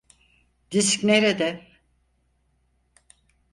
Disk nerede?